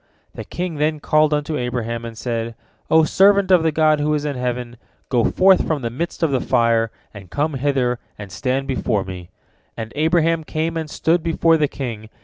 The king then called unto Abraham, and said: "O servant of the God who is in heaven, go forth from the midst of the fire, and come hither and stand before me," and Abraham came and stood before the king.